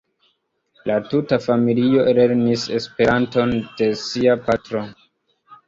La tuta familio lernis Esperanton de sia patro.